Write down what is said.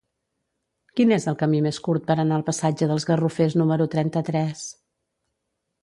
Quin és el camí més curt per anar al passatge dels Garrofers número trenta-tres?